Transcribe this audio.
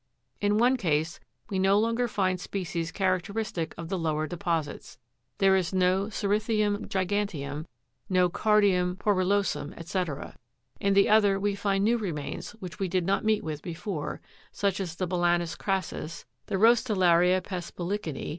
In one case, we no longer find species characteristic of the lower deposits ; there is no ceri'thium giga'nteum, no car'dium porulo'sum, &c. : in the other, we find new remains which we did not meet with before, such as the Bala'nus cra'sus (Jig. 161), the Rostella'riapespelica'ni (Jig.